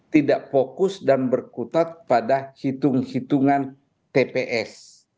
tidak fokus dan berkutat pada hitung hitungan tps